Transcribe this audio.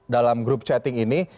dalam grup chatting ini